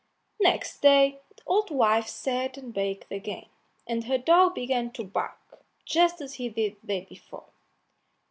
Next day the old wife sat and baked again, and her dog began to bark, just as he did the day before.